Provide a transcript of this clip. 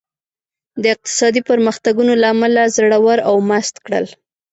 د اقتصادي پرمختګونو له امله زړور او مست کړل.